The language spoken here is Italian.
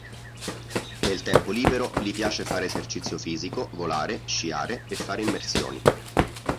Nel tempo libero gli piace fare esercizio fisico, volare, sciare e fare immersioni.